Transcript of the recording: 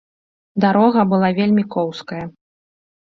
Дарога была вельмі коўзкая.